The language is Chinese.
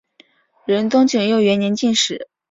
仁宗景佑元年进士。